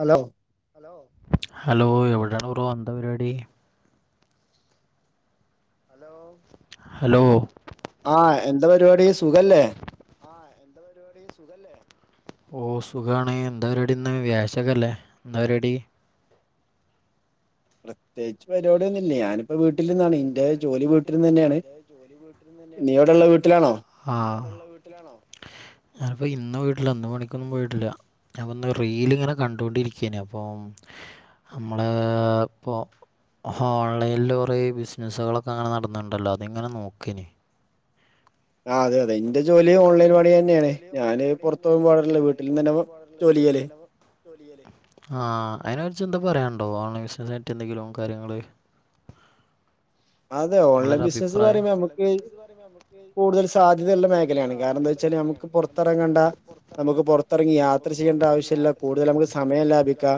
Hello hello hello എവിടാണ് റോ അന്താ പരിപാടി ഹല ഹലോ ആഹ എന്താ പരിപാടി സുഖല്ലേ സുഖല്ലേ ഓ സുഖാണ് എന്താ പരിടിന്ന് വാശകല്ലേ എാ പരിടി പ്രത്യേകിച്ച് പരിപാടിയന്ന ഇല്ല ഞാനിപ്പ വീട്ടിൽ നിന്നാണ് ഇന്റെ വീട്ടിൽ നിന്നാണ് എ ജോലി വീട്ടിൽന്ന് തന്നെയാണ് ീട്ടാണോ ഞാനിപ്പോ ഇന്ന വീട്ടില്ല അന്ന പണിക്കൊന്നും പോയിട്ടില്ല അഞന്ന് റീൽ ഇങ്ങനെ കണ്ടൊണ്ടിരിക്കയന അപ്പൊ നമ്മള് ഇപ്പോ ഓൺലൈനൽ കുറ ബിസിനസുകളൊക്കെ അങ്ങനെ നടന്നണ്ടല്ലോ അത് ഇങ്ങനെ നോക്കേനി ആ അതെ അതെ ഇ ആതെ അതെ എന്റെ ജോലി ഓൺലൈൻ പണി തന്നെയണാണ് ഞാന് പുറത്തന്നും പോകാറില്ല. വീട്ടിൽ തന്നെ ആഹ അതിനെക്കുറിച്ച് എന്ത പറയാനണ്ടോ ഓൺലൈൻ ബിസിന ആയിട്ട് എന്തെങ്കിലും കാര്യങ്ങള് അതെ ഓൺലൈൻ ബിസിനസ്സ്ന്ന് പറയുമ്പോ നമുക്ക് കൂടുതൽ സാധ്യയതയുള്ള മേഖലയാണ് കാരണംന്താ വെച്ചാ നമുക്ക് പുറത്തിറങ്ങണ്ട നമുക്ക് പുറത്തിറങ്ങി യാത്ര ചെയ്യേണ്ട ആവശ്യമ ഇല്ല കൂടുതൽ നമുക്ക് സമയം ലാഭിക്കാം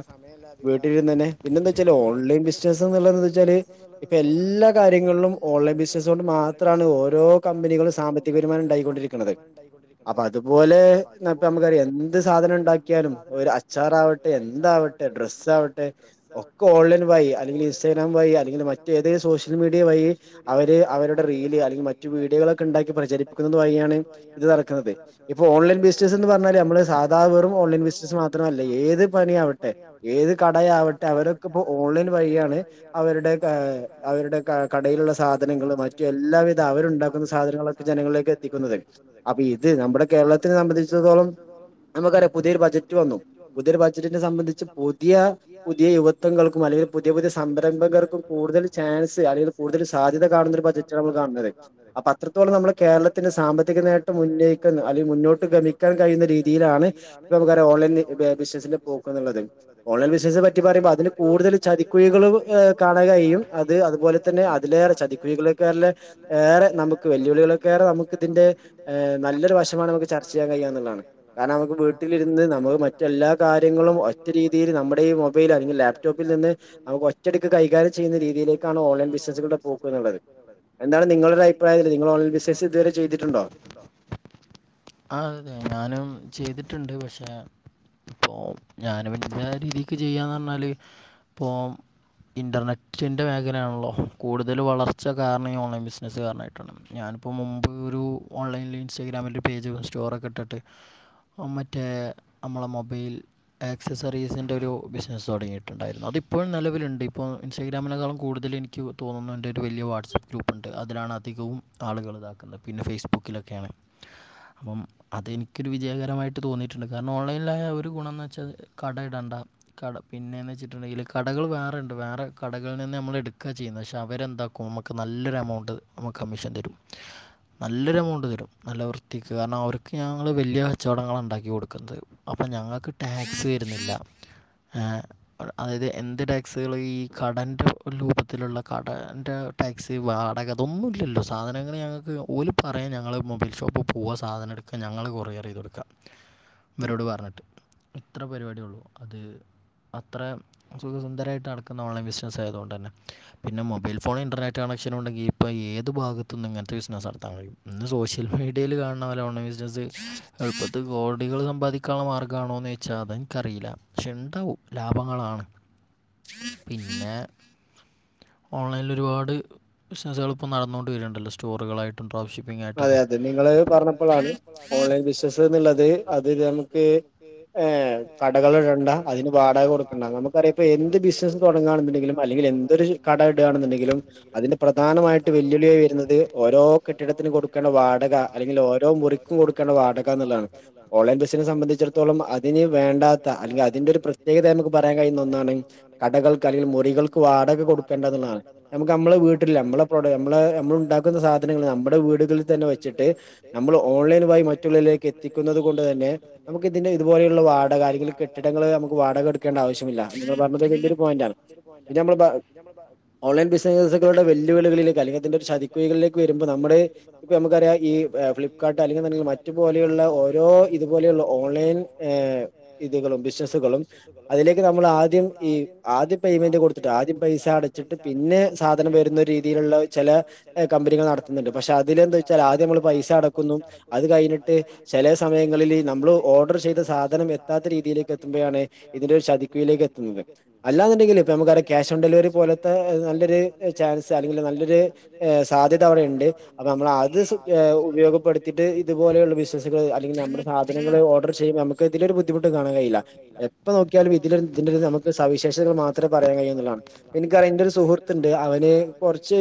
വീട്ടിലരുന്ന് തന്നെ പിന്നെന്തച്ചാല് ഓൺലൈൻ ബിസിനെച്ചാല് എല്ലാ കാര്യ ഇപ്പോം എല്ലാ കാര്യങ്ങളിലും ഓൺലൈൻ ബിസിനസ്സുക കൊണ്ട് മാത്രമാണ് ഓരോ കമ്പനികളും സാമ്പത്തിക വരുമാനം ഉണ്ടായിക്കൊണ്ടിരിക്കുന്നത് അപ്പൊ അതുപോലെപ്പ നമുക്കറിയാം എന്ത് സാധനം ഉണ്ടാക്കിയാലും ഒരു അച്ചാറാവട്ടെ എന്താവട്ടെ ഡ്ര ആട്ടെ ഒക്ക ഓൺലൈൻല്ലെ ഇഗ്രെ സോഷ്യൽ മീഡിയ വഴി അവര് അവരുടെ റീല് അല്ലെങ്കിൽ മറ്റു വീഡിയോകളൊക്കെ ഉണ്ടാക്കി പ്രചരിപ്പിക്കുന്നത് വഴിയാണ് നടക്കുന്നത് ഇ ഓൺലൈൻ ബിസിനന്ന് പറഞ്ഞ നമ്മള് സാധാപേറും ഓൺലൈൻ ബിസിന മാത്രമല്ല ഏത് പിയ ആട്ടെ ഏത് കടയാവട്ടെ അവരൊക്കെ ഇ ഓൺലൈൻ വഴിയാണ് അവരുടെ അവരുടെ കടയിലുള്ള സാധനങ്ങ മറ്റ എല്ലാവിധം അവരുണ്ടാക്കുന്ന സാധനങ്ങളൊക്കെ ജനങ്ങളിലേക്ക് എത്തിക്കുന്നത് അ ഇത് നമ്മുടെ കേരളത്തെ സംബന്ധിച്ചടത്തോളം നമുക്കറിയാം പുതിയരു ബജറ്റ് വന്നു പുതിയൊരു ബജറ്റിനെ സംബന്ധി പുതിയ പുതിയ യുവത്വങ്ങൾക്കും അല്ലെങ്ക പുതിയ പുതിയ സംരംഭങ്ങർക്കും കൂടുതൽ ചൻ അല്ലെങ്ക കൂടുതൽ സാധ്യത കാണുന്ന ഒരു പ കാണുന്നത് അപ്പ അത്രത്തോളം നമ്മൾ കേരളത്തിന്റെ സാമ്പത്തിക നേട്ടം യിക്ക അല്ലെങ്കിൽ മുന്നോട്ട് ഗമിക്കാൻഴിയുന്ന രീതിയിലാണ് ഇ ഓൺലൈൻ ബിസിനന്റെ [unintelligible] പറ്റ പറയുമ്പോ അ കൂടുതൽ ചതിുഴികൾ കാണ കഴിയും അത് അതുപോലെ തന്നെ അതിലേറെ ചതിക്കുഴികളെ കറില ഏറെ നമുക്ക് വെല്ലുവിളികള കയറെ നമുക്ക് ഇതിന്റെ ് നല്ലൊരു വശമാണ് നമുക്ക് ചർച്ച ചെയ്യാൻ കഴിയാ എന്നുള്ളതാണ് കാരണം നമുക്ക് വീട്ടിലിരുന്ന് നമുക്ക് മറ്റെല്ലാ കാര്യങ്ങളും ഒറ്റ രീതിയിൽ നമ്മുടെ ഈ മൊബൈൽ അല്ലെങ്കിൽ ലാപ്ടോപ്പിൽ നിന്ന് നമുക്ക് ഒറ്റടുക്ക് കൈകാര്യം ചെയ്യുന്ന രീതിയിലേക്ക് ഓൺലൈൻ ബസിനസുകളുടെ പോക്ക്‌ എന്നുള്ളത് എന്താണ് നിങ്ങളുടെ അഭിപ്രായത്തിൽ നിങ്ങ ഓൺലൈൻ ബിസിനസ് ഇതുവരെ ചെയ്തിട്ടുണ്ടോ ആ ഞാനും ചെയ്തിട്ടുണ്ട് പക്ഷെ ഇപ്പൊ ഞാന പിന്ന രീതിക്ക് ചെയ്യാന്ന് പറഞ്ഞാല് ഇപ്പ ഇന്റർനെറ്റിന്റെ വേഗ ഇങ്ങനെയാണല്ലോ കൂടുതൽ വളർച്ച കർണ [inaudible] ഓൺലൈനിൽ ഇൻസ്റ്റാഗ്രാമില് പേജ് സ്റ്റോറ ഒക്കെ ഇട്ടിട്ട് മറ്റേ നമ്മളെ മൊബൈൽ ആക്സസറീസിന്റെറെ ഒരു ബിസിനസ്സ് തുടങ്ങിയിട്ടുണ്ടായിരുന്നു അത് ഇപ്പോഴും നിലുണ്ട് ഇപ്പോൾ ഇൻസ്റ്റഗ്രാമിനകളം കൂടുതല എനിക്ക് തോന്നുന്നു എൻ്റെ ഒരു വലിയ വാട്സപ്പ് ഗ്രൂപ്പുണ്ട് അതിലാണ് അധികവും ആളുകൾ ഇതാക്കുന്നത് പിന്നെ ഫേ്സ്ബുക്ക് ബക്കിലൊക്കെയാണ് അപ്പം അതെനിക്കൊരു വിജയകരമായിട്ട് തോന്നിയിട്ടുണ്ട് കാരണം ഓൺലൈനിലായ ഒരു ഗുണംമന്ന് വെച്ചാൽ കട ഇടേണ്ട കട പിന്നെന്ന് വെച്ചിട്ടുണ്ടെങ്കിൽ കടകൾ വേറെ ഉണ്ട് വേറെ കടകൾ നമ്മൾ എടുക്ക ചെയ്യുന്നു പക്ഷെ അവരെന്താക്കും നുക്ക് നല്ലൊരു എമൗണ്ട്ക്ക് കമ്മീഷൻ തരും നല്ലൊരു എമൗണ്ട് തരും നല്ല വൃത്തിക്ക് കാരണം അവർക്ക് ഞങ്ങള്ൾ വലിയ കച്ചവടങ്ങള ഉണ്ടാക്കി കൊടുക്കുന്നത് അപ്പ ഞങ്ങൾക്ക് ടാക്സ് വരുന്നില്ല ആ അതായത് എന്ത് ടാക്സികള് ഈ കടൻ രൂപത്തിലുള്ള കടകറെ ടാക്സി വാടക അതൊന്നുമ ഇല്ലല്ലോ സാധനങ്ങൾ ഞങ്ങൾക്ക് ഓലിപ്പ അത്രം ഞങ്ങൾ മൊബൈൽ ഷോപ്പിൽ പോകവാൻ സാധനം എടുക്കാൻ ഞങ്ങൾ കുറേറ ചെയത് കൊടുക്കാം ഇവരോട് പറഞ്ഞിട്ട് ഇത്ര പരിപടിയ ഉള്ളൂ അത് അത്ര സുഖസുന്ദരമായിട്ട് നടക്കുന്ന ഓൺലൈൻ ബിസിനസ്സ് ആയതുകൊണ്ട് [unintelligible] പിന്നെ മൊബൈൽ ഫോ ഇൻറർനെറ്റ് കണക്ഷന ഉണ്ടെങ്കിൽ ഇപ്പോൾ ഏത് ഭാഗത്തനിന്ന് ഇങ്ങനത്തെ ബിസിനസ് നടത്താൻ കഴിയും ഇന്ന് സോഷ്യൽ മീഡിയയിൽ കാണുന്ന പോലെ ഓൺലൈൻ ബിസിനസ്സ് എളുപ്പത്തിൽ കോടികൾ സമ്പാദിക്ക ക്കള മാർഗമാണോന്ന് ചോദച്ചാൽത് എനിക്കറിയില്ല. പക്ഷേ ണ്ടാവും ലാഭങ്ങളാണ് പിന്നെ ഓൺലൈനിൽ ഒരുപാട് ബിസിനസുകൾ ഇപ്പോൾ നടന്നുകൊണ്ട വരണ്ടല്ലോ സ്റ്റോറുകളായിട്ടും ഡ്രോപ്ഷിപ്പ് അതെ അ നിൾ പറഞ്ഞപ്പോഴാണ് ഓൺലൈൻ ബിസിനസ് എന്നുള്ളത് അത് നമുക്ക് ഏഹ് കടകൾ ഇടേണ്ട അതി വാടക കൊടുക്കണ്ട നമുക്കറിയാം ഇപ്പോ എന്ത് ബിസിനസ്സ് തുടങ്ങാണ്ടെങ്കിലും അല്ലെങ്കിൽ എ തൊ കട ഇടുകയാണെന്നുണ്ടെിലും അതിന്റെ പ്രധാനമായിട്ട് വെല്ലുവിളിായി വരുന്നത് ഓരോ കെട്ടിട ത്തിന് കൊടുക്കേണ്ട വാടക അല്ലെങ്കിൽ ഓരോ മുറിക്കും കൊടുക്കേണ്ട വാടക എന്നുള്ളതാണ്. ഓൺലൈൻ ബസ്സിനെ സംബന്ധിച്ചിടത്തോളം അതിന് വേണ്ടാത്ത അല്ലെങ്കിൽ അതിന്റെ ഒരു പ്രേത്യേകത എന്ന് നമുക്ക് പറയാൻ കഴിയുന്ന ഒന്നാണ് കടകൾക്ക് അല്ലെങ്കിൽ മുറികൾക്ക് വാ പാടൊക്കെ കൊടുക്കേണ്ട എന്നുള്ളതാണ് നമ്മു നമ്മള് വീട്ടില നമ്മള നമ്മ നമ്മള ഉണ്ടാക്കുന്ന സാധനങ്ങൾ നമ്മ ുടെ വീടുകളിൽ തന്നെ വെച്ചിട്ട് നമ്മൾ ഓൺലൈനുമായി മറ്റുള്ളിലേക്ക് എത്തിക്കുന്നത് കൊണ്ട് തന്നെ നമുക്ക് ഇതിന്റെ ഇതുപോലെയുള്ള വാടക ആരെെങ്കും കെട്ടിടങ്ങൾ നമുക്ക് വാടക എടുക്കേണ്ട ആവശ്യമില്ല. നിങ്ങൾ പറഞ്ഞ ഒരുയിന്റാണ് പിന്നെ നമ്മ ഓൺലൈൻ ബിസിനസുകളുടെ വെല്ലുവിളികളിലേക്ക് അല്ലെങ്കത്തിന്റെറെ ഒരു ചതിക്കുകളിലേക്ക് വരുമ്പോൾ നമ്മുടെ ഇപ്പൊ നമുക്കറിയാം ഈ ഫ്ലിപ്കാർട്ട് അല്ലെങ്കിൽണ്ടെങ്ക മറ്റപലെയുള്ള ഓരോ ഇതുപോലെയുള്ള ഓൺലൈൻ ഇതുകളും ബിസിനസുകളും അതിലേക്ക് നമ്മൾ ആദ്യം ഈ ആദ്യ പെയയ്മെന്റ് കൊടു ആദ്യം പൈസ അടച്ചിട്ട് പിന്നെ സാധനം വരുന്ന രീതിയിലുള്ള ചില കമ്പനികൾ നടത്തുന്നുണ്ട് അതിലെന്താ വെച്ചാൽ ആദ്യം നമ്മൾ പൈസ അടക്കുന്നു അത് കഴിഞ്ഞിട്ട് ചില സമയങ്ങളിൽ നമ്മൾ ഓർഡർ ചെയ്ത് സാധനം എത്താത്ത രീതിയിലേക്ക് എത്തുമ്പോഴാണ് ഇതിന്റെ ചതി കുയി ലേക്ക് എത്തുന്നത് അല്ലാനുണ്ടെങ്കിൽ ഇ നമ ഓൺ ഡെലിവറി പോലത്തെ നല്ലൊരു ചാൻസ് അല്ലെങ്കിൽ നല്ലൊരു സാധ്യത അവിടെ ഇണ്ട് അപ്പൊ നമ്മൾ അത് ഉപയോഗപ്പെടുത്തിട്ട് ഇതുപോലെയുള്ള ബിസിനസുകൾ അല്ലെങ്കിൽ നമ്മുടെ സാധനങ്ങൾ ഓർഡർ പക്ഷെ നമുക്ക് ഇതിലരു ബുദ്ധിമുട്ട് കാണാൻ കഴയില്ല. എപ്പോ നോക്കിയാലും ഇതിന്റെ നുക്ക് സവിശേഷങ്ങൾ മാത്രേ പറയാൻ കഴ എനിക്കറിയാം എന്റെ ഒരു ഒരു സുഹൃതുണ്ട് അവ കുറച്ച്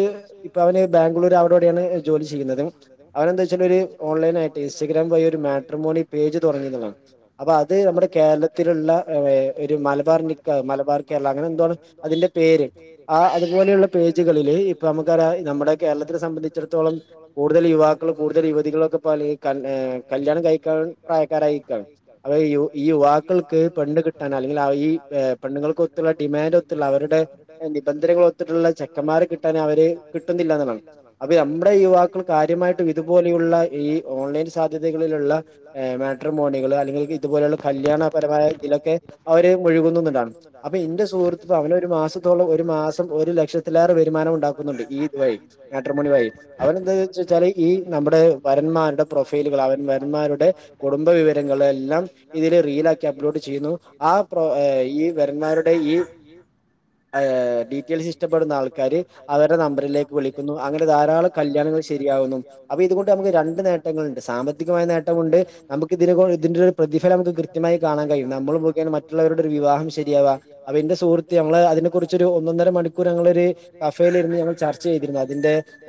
ഇ അവ ബാംഗ്ലൂര് അവിടെ ജോലി ചെയ്യുന്നത് അവനന്താ വെച്ചാൽ ഒരു ഓൺലൈൻ ആയിട്ട് ഇൻസ്റ്റഗ്രാം വഴി ഒരു മാട്രമോണി പേജ് തുടങ്ങ അപ്പൊ അത് നമ്മുടെ കേരളത്തിലുള്ള ഒരു മലബാർ നിക്ക മലബാർ കേരള അങ്ങനെ എന്തോണ് അതിന്റെ പേര് ആ അതുപോലെയുള്ള പേജുകളില് ഇപ്പ നമുക്ക നമ്മുടെ കേരളത്തെ സംബന്ധിച്ച് ഇത്രത്തോളം കൂടുതൽ യുവാക്കളും കൂടുതൽ യുവതികളൊക്കെ പൊ ഈ കല്യാണം കയിക്കാൻ പ്രായക്കാരായി ഇക്കാണ്. അതായത് യൂ ഈ യുവാക്കൾക്ക് പെണ്ണ് കിട്ടാന അല്ലെങ്കിൽ ഈ പെണ്ങ്ങൾക്കൊത്തുള്ള ഡിമാൻഡ് ഒത്തുള്ള അവരുടെ നിബന്ധനകളൊത്ത്ട്ട്ളള ചെക്കമാറെ കിട്ടാനവര് കിട്ടുന്നില്ല എന്ന്ള്ളതാണ്. അപ്പൊ നമ്മടെ യുവാക്കൾ കാര്യമായിട്ടും ഇതുപോലെയുള്ള ഈ ഓൺലൈൻ സാധ്യതകളിലുള്ള മാ മേട്രമോണിള് അല്ലെങ്കിൽ ഇതുപോലുള്ള കല്യാണപരമായ ഇതിലൊക്കെ അവര് മുഴുകുന്നുണ്ടാണ് അപ്പൊ ഇന്ടെ സുഹൃത്ത് അവനൊരു മാസത്തോളം ഒരു മാസം ഒരു ലക്ഷത്തിലേറെ വരുമാനം ഉണ്ടാക്കുന്നുണ്ട്. ഇതു വഴി മേട്രമോണി വഴി. അവൻ എന്താ വെച്ചാല് ഈ നമ്മുടെ വരന്മാരുടെ പ്രൊഫൈലുകൾ അവൻ വരന്മാരുടെ കുടുംബ വിവരങ്ങള് എല്ലാം ഇതില് റീലാക്കി അപ്‌ലോഡ് ചെയുന്നു. ആ പ്രൊ ഈ വരന്മാരുടെ ഈ ഡീറ്റെൽസ് ഇഷ്ടപ്പെടുന്ന ആൾക്കാര് അവരുടെ നമ്പറിലേക്ക് വിളിച്ചിട്ട് അങ്ങനെ ധാരാളം കല്യാണങ്ങൾ ശരിയാകുന്നു. അപ്പൊ ഇതുകൊണ്ട് നമുക്ക് രണ്ട് നേട്ടങ്ങളുണ്ട്. സാമ്പത്തികമായ നേട്ടമുണ്ട് നമുക്ക് ഇതിനെകൊ ഇതിന്റെ ഒരു പ്രതിഫല നമുക്ക് കൃത്യമായി കാണാൻ കഴിയും നമ്മൾ മുഖേന മറ്റുള്ളവരുടെ ഒരു വിവാഹം ശരിയാവാ അതിന്റെ സുഹൃത്ത് ഞങ്ങൾ അതിനെ കുറിച്ച് ഒരു ഒന്നര മണിക്കൂർ ഞങ്ങളൊരു കഫേലിരുന്ന് ഞങ്ങൾ ചർച്ചചെയ്തിരുന്നു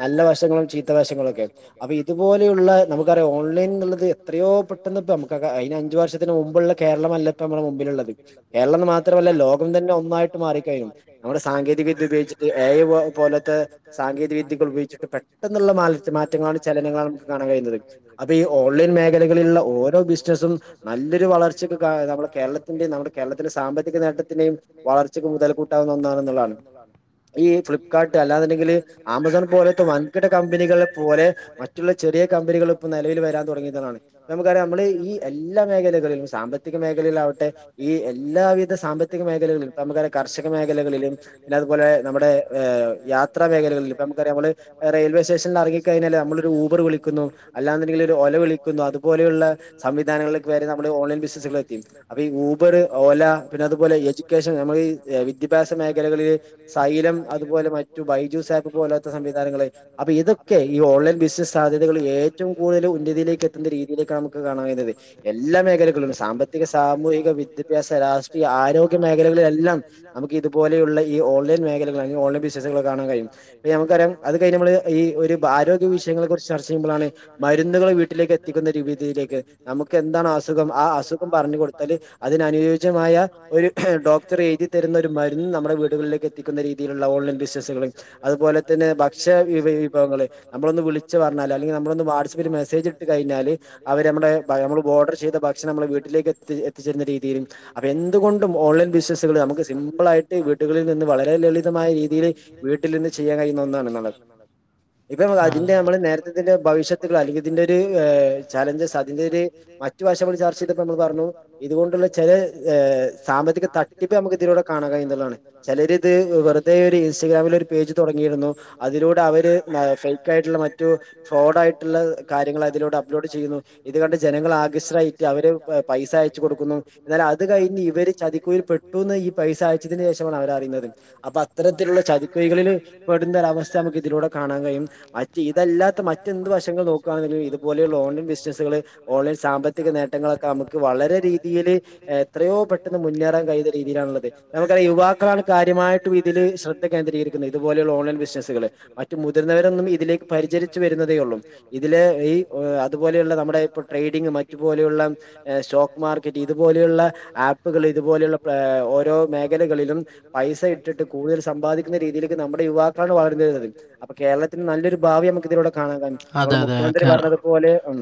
നല്ല വശങ്ങളും ചീത്ത വശങ്ങളൊക്കെ അപ്പൊ ഇതുപോലെയുള്ള നമുക്കറിയാം ഓൺലൈൻ എന്നുള്ളത് എത്രയോ പൊ പെട്ടെന്ന് പൊ നമുക്കൊക്കെ അയ്ന് അഞ്ചു വർഷത്തിന് മുമ്പുള്ള കേരളമല്ല ഇപ്പ നമ്മുടെ മുമ്പിലുള്ളത് കേരള എന്ന് മാത്രമല്ല ലോ കം തന്നെ ഒന്നായിട്ട് മാറികയ്യും നമ്മുടെ സാങ്കേതിക വിദ്യ ഉപയോഗിച്ചിട്ട് എ ഐ പോലത്തെ ങ്കേതികവിദ്യൾ ഉപയോഗിച്ചിട്ട് പെട്ടെന്നുള്ള മാറ്റ് മാറ്റങ്ങളാണ് ചലനങ്ങളാണ് നമുക്ക് കാണൻ കഴിയുന്നത്. അപോ ഈ ഓൺലൈൻ മേഘല കളിലുള്ള ഓരോ ബിസിനസ്സും നല്ലൊരു വളർച്ചക്ക് കാ നമ്മുടെ കേരളത്തിന്റെ നമ്മുടെ കേരളന്റെ സാമ്പത്തിക നേട്ടത് ത്തിന്റെയും വളർച്ചക്ക് മുതൽ കൂട്ടാവുന്ന ഒന്നാണെന്നുള്ളതാണ്. ഈ ഫ്ലിപ്കാർട്ട് അല്ലാന്ണ്ടെങ്കില് ആമസോൺ പോലെത്ത വൻകിട കമ്പനികളെ പോലെ മറ്റുള്ള ചെറിയ കമ്പനികൾ ഇപ്പ നിലവിൽ വരാൻ തൊട ങ്ങീണ് നമുക്കറിയാം നമ്മള് ഈ എല്ലാ മേഖലകളിലും സാമ്പത്തിക മേഖലകളിലാവട്ടെ ഈ എല്ലാവിധ സാമ്പത് ത്തികമേഖലകളിൽ നമുക്കറിയാ കർഷക മേഖലകളിലും പിന്നെതുപോലെ നമ്മുടെ യാത്രാ മേഖലകളി ത്ല് പൊ നമ്മക്കറിയ മള് റെയിൽവേ സേഷൻല് അറങ്ങിക്കഴിഞ്ഞാല് നമ്മളോരു ഊബർളിക്കുന്നു അല്ലാന്നുണ്ടങ്കി ഒരു ഒല വിളിക്കുന്നു അത് പോലെയുള്ള സംവിധാനങ്ങളിലേക്ക് വരെ നമ്മടെ ഓൺലൈൻ ബിസിനസ്സുകളെത്തി. അപോ ഈ ഊബറ് ഓല എജുക്കേഷൻ നമ്മള് വിദ്യാഭ്യാസ മേഖലകളിൽ സൈലം അതുപോലെ മറ്റു ബൈജുസാപ്പ് പോലെ സംവിധാനങ്ങളെ അപ്പൊ ഇതൊക്കെ ഈ ഓൺലൈൻ ബിസിനസ് സാധ്യതകള് ഏറ്റവും കൂടുതല് ഉന്നതിയിലേക്ക് എത്തുന്ന രീതിയില് നമുക്ക് കാണാൻ കഴിയുന്നത് എല്ലാ മേഖലകളില് സാമ്പത്തിക സാമൂഹിക വിദ്യാഭ്യാസ രാഷ് ഈ ആരോഗ്യ മേഖലകളിലെല്ലാം നമുക്ക് ഇതുപോലെയുള്ള ഈ ഓൺലൈൻ മേഖലകൾ അല്ലങ്കി ഓൺലൈൻ ബിസിനസുകൾ കാണാൻ കഴിയും നമുക്കറിയാം അത് കഴിഞ്ഞ് നമ്മള് ഈ ഒരു ആരോഗ്യ വിഷയങ്ങളെ കുറിച്ച് ചർച്ച ചെയ്യുമ്പോഴാണ് മരുന്നുകൾ വീട്ടിലേക്ക് എത്തിക്കുന്ന ഒരു വിധിയിലേക്ക് നമുക്ക് എന്താണ് അസുഖം ആ അസുഖം പറഞ്ഞു കൊടുത്താല് അതിനനുയോജ്യമായ ഒരു ഹേ [unintelligible] ഡോക്ടർ എഴുതി തരുന്ന ഒരു മരുന്ന് നമ്മുടെ വീടുകളിലേക്ക് എത്തിക്കുന്ന രീതിയിലുള്ള ഓൺലൈൻബിസിനസ്സുകള് അതുപോലെ തന്നെ ഭക്ഷ വിഭാ വിഭവങ്ങള് നമ്മളൊന്ന് വിളച്ച് പറഞ്ഞാ അല്ലെങ്ക നമ്മളൊന്ന് വാട്സ്ആപ്പിൽ മെസേജ്ട്ട് കയ് ഞ്ഞാല് അവര് നമ്മടെ ഭയ നമ്മള് ഓഡർ ചെയ്ത ഭക്ഷണം നമ്മളെ വീട്ടിലേക്ക് എത്തി എത്തിച്ചേരുന്ന രീതിയിലും അപ്പോ എന്തുകൊണ്ടും- ഓൺലൈൻ ബിസിനസുകള് നമുക്ക് സിമ്പിളായിട്ട് വീട്ടുകളിൽ നിന്ന് വളരെ ലളിതമായ രീതിയില് വീട്ട് ഇന്ന് ചെയ്യാൻ കഴിയുന്ന ഒന്നാണ് ഇന്ന് ഉള്ളത് ഇപ്പൊ നമ്മള് അതിന്റെ നമ്മള് നേരത്തെത്തിന്റെ ഭവിഷ്യത്തുകൾ അല്ലെങ്കിൽ ഇതിന്റെ ഒരു ചലഞ്ചസ് അതിന്റെ ഒരു മറ്റ് മറ്റു ഭാഷ നമ്മള് ചർച്ച ചെയ്തപ്പോ നമ്മള് പറഞ്ഞു ഇതുകൊണ്ടുള്ള ചെലെ സാ - സാമ്പത്തിക തട്ടിപ്പ് നമുക്ക് ഇതിലൂടെ കാണാൻ കഴിയുന്നതാണ് ചെലരിത് വെറുതേ ഒരു ഇൻസു പേജ് തോടങ്ങിയിരുന്നു അതിലൂടെ അവര് ന ഫെയിക്ക്ക്കായിട്ടുള്ള മറ്റു ഫ്രോഡായിട്ടുള്ള കാര്യങ്ങള അതിലൂടെ അപ്ലോഡ് ചെയ്യുന്നു. ഇതു കണ്ട് ജനങ്ങൾ ആകൃഷ്ടായിട്ട് അവരും പൈസ അയച്ച് കൊടുക്കുന്നു എന്നാൽ അത് കയി ഇവര് ചതികുഴിയിൽ പെട്ടുന്ന് ഈ പൈസ അയച്ചതിന് ശേഷമാണ് അവർ അറിയുന്നത് അപ്പൊ അത്തരത്തിലുള്ള ചതി- കൈകളില് പെടുന്ന ഒരവസ്ഥ നമുക്ക് ഇതിലൂടെ കാണാൻ കഴിയും മറ്റ് ഇതല്ലാത്ത മറ്റെന്ത് വശങ്ങൾ നോക്കുവാണെങ്കി - ഇത് പോലെയുള്ള ഓൺലെയ്ൻ ബിസിനസുകള് ഓൺലൈ സാമ്പത്തിക നേട്ടങ്ങളൊക്കെ നമുക്ക് വളരെ രീതിയില്- എത്രയോ പെട്ടെന്ന് മുന്നേറാൻ കഴിയുന്ന രീതിയിലാണുള്ളത് നമുക്കറിയാം യുവാക്കളാണ് കാര്യമായിട്ടും ഇതില് ശ്രദ്ധ കേന്ദ്രീകരി ക്കുന്നെ ഇത് പോലെയുള്ള ഓൺലൈൻ ബിസിനസുകള് മറ്റ് മുതിർന്നവരൊന്നും ഇതിലേക്ക് പരിചരിച്ചു വരുന്നതേ ഉള്ളൂ ഇതില് ഈ- ഈ അതുപോലെയുള്ള നമ്മുടെ ഇപ്പ ട്രേഡിങ് മറ്റു പോലെയുള്ള സ്റ്റോക്ക് മാർക്കറ്റ് ഇതുപോലെയുള്ള ഈ - ആപ്പുകള് ഇതുപോലെയുള്ള പ് ഓരോ മേഖലകളിലും പൈസ ഇട്ടിട്ട് കൂടുതൽ സമ്പാദിക്കുന്ന രീതിയില് ക് നമ്മുടെ യുവാക്കളാണ് വളർന്നു വരുന്നത് അപ്പൊ കേരളത്തിന് നല്ലൊരു ഭാവി നമുക്ക് ഇതിലൂടെ കാണാൻ കഴിയും നമ്മള് മുഖ്യമന്ത്രി ഭരണത്തിൽ - അതുപോലെ ഉം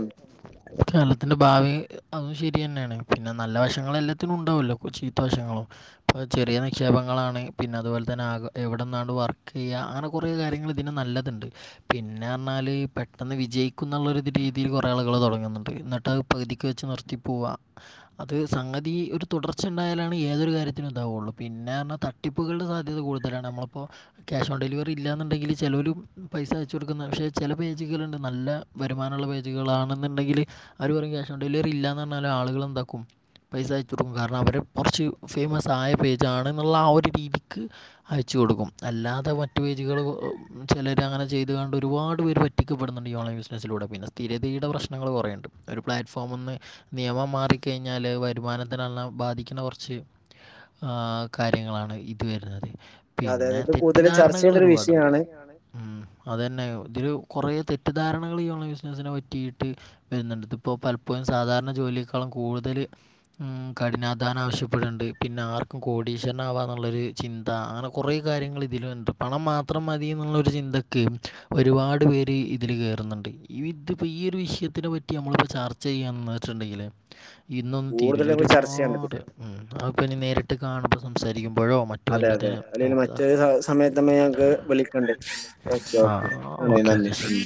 കേരളത്തിന്റെ ഭാവി അതും ശരി തന്നെയാണ് പിന്നെ നല്ല വശങ്ങള് എല്ലാത്തിനും ഉണ്ടാവൂല്ലോ കുറച്ച് ചീത്ത വശങ്ങളും ഇപ്പോൾ ചെറിയ നിക്ഷേപങ്ങളാണ് പിന്നെ അതുപോലെ തന്നെ ആകെ എവിടെന്നാണ് വർക്ക് ചെയ്യുക അങ്ങനെ കുറെ കാര്യങ്ങൾ ഇതിന് നല്ലതുണ്ട് പിന്നെ പറഞ്ഞാൽ പെട്ടെന്ന് വിജയിക്കൂന്നുള്ള രീതിൽ കു റെ ആളുകള് തുടങ്ങുന്നുണ്ട് എന്നിട്ടത് പകുതിക്ക് വെച്ച് നിർത്തി പോവാ അത് സംഗതി ഒരു തുടർ ച്ച ഉണ്ടായാലാണ് ഏതൊരു കാര്യത്തിനും ഇതാവുള്ളു പിന്നെ എന്നാ തട്ടിപ്പുകളുടെ സാധ്യത കൂടുതലാണ് നമ്മളിപ്പോ ക്യാഷ് ഓൺ ഡെലിവറി ഇല്ലാന്നുണ്ടെങ്കില് ചെലോല് പൈസ അയച്ചു കൊടുക്കുന്ന പക്ഷെ ചില പേജുകളുണ്ട് നല്ല വരുമാനമുള്ള പേജുക ള് ആണെന്നുണ്ടെങ്കില് അവര് പറയും ക്യാഷ് ഓൺ ഡെലിവറി ഇല്ലാന്ന് പറഞ്ഞാലും ആളുകൾ എന്താക്കും പൈസ അയച്ച് കൊടുക്കും കാരണം അവര് കുറച്ച് ഫേമസ് ആയ പേജ് ആണെന്നുള്ള ആ ഒരു രീതിക്ക് അയച്ച് കൊടുക്കും അല്ലാ തെ മറ്റ് പേജുകൾ ചിലർ അങ്ങനെ ചെയ്തുകൊണ്ട് ഒരുപാട് പേര് പറ്റിക്കപ്പെടുന്നുണ്ട് ഈ ഓൺലൈൻ ബിസിനസ്സിലൂടെ പിന്നെ സ്ഥിരതയുടെ പ്രശ്നങ്ങൾ കുറേയുണ്ട് ഒരു പ്ലാറ്റ്ഫോമിന്ന് നിയമം മാറിക്കഴിഞ്ഞാൽ വരുമാന ത്തിനെല്ലെല്ലാം ബാധിക്കണ കുറച്ച് ആ കാര്യങ്ങളാണ് ഇത് വരുന്നത് പിന്നെ തെറ്റിദ്ധാരണകൾ ഒരുപാടുണ്ട് ഉം അത് തന്നെ ഇതില് കുറെ തെറ്റിദ്ധാരണകള് ഈ ഓൺലൈൻ ബിസിനസിനെ പറ്റിയിട്ട് വരുന്നുണ്ട് ഇതിപ്പോ പലപ്പോഴും സാധാരണ ജോലി യേക്കാളും കൂടുതല് ഉം കഠിനാധ്വാനം ആവശ്യപ്പെടുന്നുണ്ട് പിന്നെ ആർക്കും കോടീശ്വരൻ ആവാന്നുള്ളൊരു ചിന്ത അങ്ങനെ കൊറേ കാ ര്യങ്ങൾ ഇതിലുണ്ട് പണം മാത്രം മതി എന്നുള്ളൊരു ചിന്തക്ക് ഒരുപാട് പേര് ഇതില് കയറുന്നുണ്ട് ഇതിപ്പോ ഈയൊരു വിഷയത്തിനെ പറ്റി നമ്മളിപ്പോ ചർച്ച ചെയ്യാ വെച്ചിട്ടുണ്ടെങ്കില് ഇന്നൊന്നും തീരൂല്ല ഒരുപാട് ഉം അതൊക്കെ ഇനി നേരിട്ട് കാണുമ്പ സംസാരിക്കു മ്പോഴോ മറ്റ് വല്ലതിനും നമുക്ക് ആഹ് ഓക്കെ ഓക്കെ ശരി